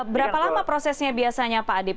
berapa lama prosesnya biasanya pak adip